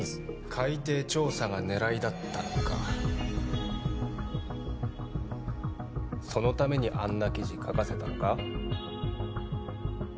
海底調査が狙いだったのかそのためにあんな記事書かせたのか？